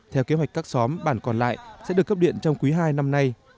theo kế hoạch các xóm bản còn lại sẽ được cấp điện trong quý hai năm nay